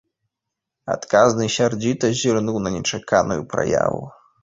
Адказны сярдзіта зірнуў на нечаканую праяву.